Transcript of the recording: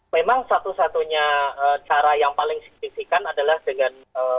memang satu satunya cara yang paling signifikan adalah dengan